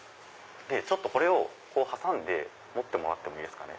ちょっとこれをこう挟んで持ってもらってもいいですかね。